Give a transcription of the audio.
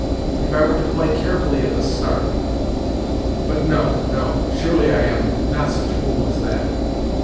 If I were to play carefully at the start—But no, no! Surely I am not such a fool as that?